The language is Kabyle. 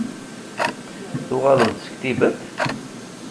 Tuɣaleḍ-d seg Tibet?